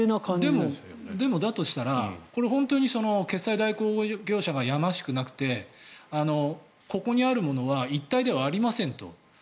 でも、だとしたら本当に決済代行業者がやましくなくてここにあるものは一体ではありませんと。